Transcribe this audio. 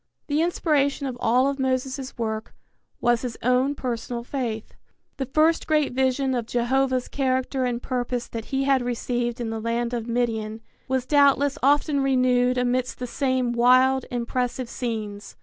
The inspiration of all of Moses' work was his own personal faith. The first great vision of Jehovah's character and purpose that he had received in the land of Midian was doubtless often renewed amidst the same wild, impressive scenes.